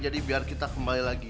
jadi biar kita kembali lagi